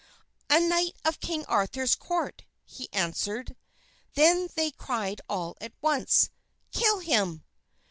"A knight of King Arthur's court," he answered. Then they cried all at once, "Kill him!"